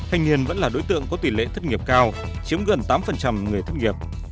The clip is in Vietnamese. hành nghiên vẫn là đối tượng có tỷ lệ thất nghiệp cao chiếm gần tám người thất nghiệp